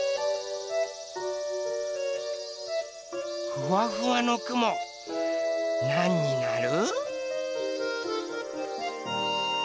ふわふわのくもなんになる？